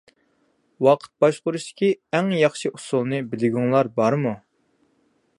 ۋاقىت باشقۇرۇشتىكى ئەڭ ياخشى ئۇسۇلنى بىلگۈڭلار بارمۇ؟